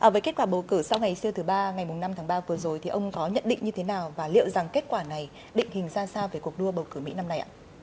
với kết quả bầu cử sau ngày siêu thứ ba ngày năm tháng ba vừa rồi thì ông có nhận định như thế nào và liệu rằng kết quả này định hình ra sao về cuộc đua bầu cử mỹ năm nay ạ